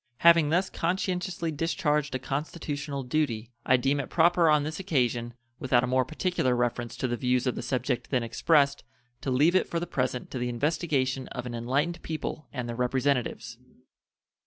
Having thus conscientiously discharged a constitutional duty, I deem it proper on this occasion, without a more particular reference to the views of the subject then expressed to leave it for the present to the investigation of an enlightened people and their representatives.